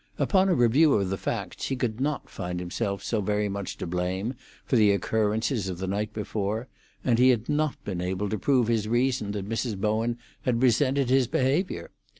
Upon a review of the facts he could not find himself so very much to blame for the occurrences of the night before, and he had not been able to prove to his reason that Mrs. Bowen had resented his behaviour.